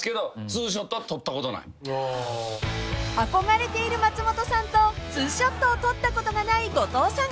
［憧れている松本さんと２ショットを撮ったことがない後藤さん］